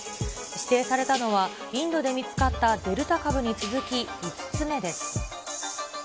指定されたのは、インドで見つかったデルタ株に続き５つ目です。